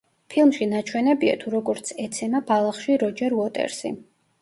ფილმში ნაჩვენებია, თუ როგორც ეცემა ბალახში როჯერ უოტერსი.